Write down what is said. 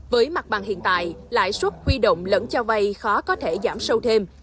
với mặt bằng hiện tại lãi suất huy động lẫn cho vay khó có thể giảm sâu thêm